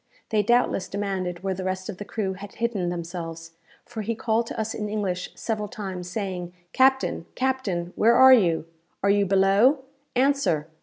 They doubtless demanded where the rest of the crew had hidden themselves; for he called to us in English several times, saying, "Captain, captain! where are you? Are you below? Answer!